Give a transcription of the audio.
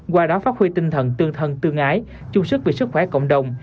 qua đó phát huy tinh thần tương thân tương ái chung sức vì sức khỏe cộng đồng